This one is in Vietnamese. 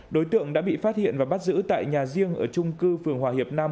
đối tượng đã bị phát hiện và bắt giữ tại nhà riêng ở trung cư phường hòa hiệp nam